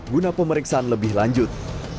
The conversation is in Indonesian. guna pemeriksaan lebih lanjut